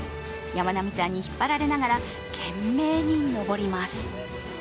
やまなみちゃんに引っ張られながら、懸命に登ります。